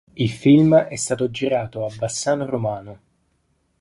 Il film è stato girato a Bassano romano